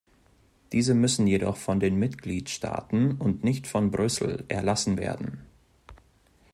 Diese müssen jedoch von den Mitgliedstaaten und nicht von Brüssel erlassen werden.